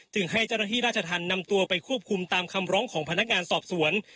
ให้เจ้าหน้าที่ราชธรรมนำตัวไปควบคุมตามคำร้องของพนักงานสอบสวน